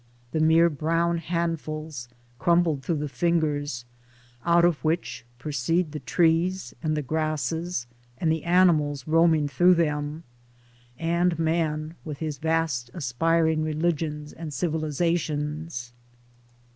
The mere brown handfuls crumbled through the fingers, out of which proceed the trees and the grasses and the animals roaming through them, and man with his vast aspiring religions and civilisations.